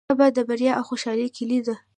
صبر د بریا او خوشحالۍ کیلي ده.